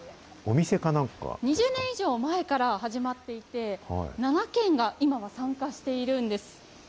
２０年以上前から始まっていて、７軒が今は参加しているんです。